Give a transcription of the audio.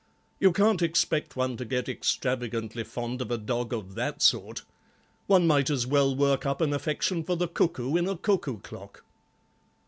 You can't expect one to get extravagantly fond of a dog of that sort. One might as well work up an affection for the cuckoo in a cuckoo clock."